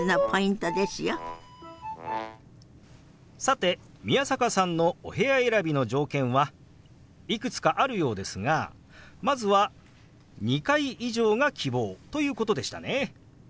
さて宮坂さんのお部屋選びの条件はいくつかあるようですがまずは２階以上が希望ということでしたね。